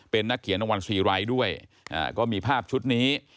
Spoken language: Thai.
เป็นนักเขียนรางวัลซีไร้ด้วยก็มีภาพชุดนี้